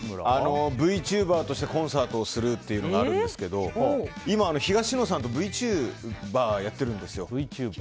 Ｖチューバーとしてコンサートをするというのがあるんですけど今、東野さんとＶチューバーをやってるんですよ。